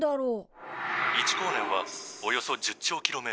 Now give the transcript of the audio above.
「１光年はおよそ１０兆ｋｍ。